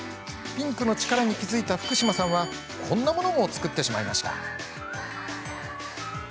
ピンクの力に気付いた福嶋さんはこんなものも作ってしまいました。